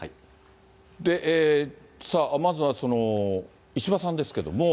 まずは石破さんですけれども。